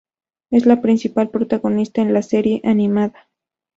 Es la principal protagonista en la serie animada.